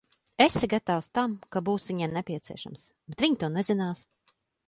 Esi gatavs tam, ka būsi viņai nepieciešams, bet viņa to nezinās.